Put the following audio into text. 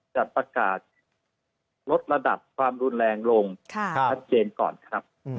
จะประกาศลดระดับความรุนแรงลงชัดเจนก่อนครับ